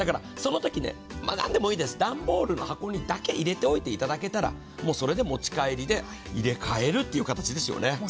そのとき、何でもいいですけど段ボールの箱にだけ入れておいていただけたらもうそれで持ち帰りで入れ替えるという形ですよね。